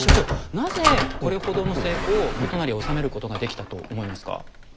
なぜこれほどの成功を元就は収めることができたと思いますか？